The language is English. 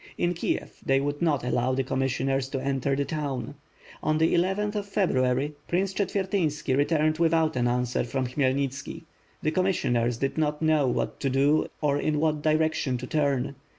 In Kiev, they would not allow the commissioners to enter the town. On the eleventh of February, Prince Chetvertynski returned without an an swer from Khmyelnitski. The commissioners did not know what to do or in what direction to turn.